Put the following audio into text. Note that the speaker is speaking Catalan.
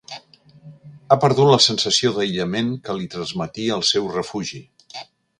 Ha perdut la sensació d'aïllament que li transmetia el seu refugi.